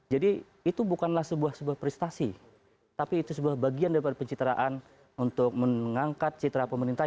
jadi itu bukanlah sebuah prestasi tapi itu sebuah bagian dari pencitraan untuk mengangkat citra pemerintah